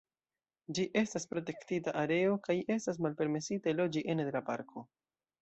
Ĝi estas protektita areo kaj estas malpermesite loĝi ene de la parko.